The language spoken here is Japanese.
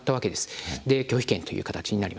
それで拒否権という形になりました。